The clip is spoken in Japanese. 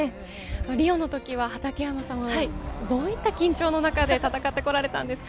リオの時は畠山さんもどういった緊張の中で戦ってこられたんですか？